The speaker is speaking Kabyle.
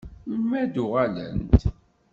Melmi ad d-uɣalent?